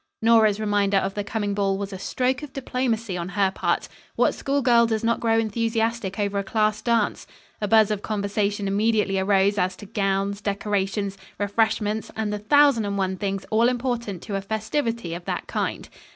Nora's reminder of the coming ball was a stroke of diplomacy on her part. What school girl does not grow enthusiastic over a class dance? A buzz of conversation immediately arose as to gowns, decorations, refreshments and the thousand and one things all important to a festivity of that kind.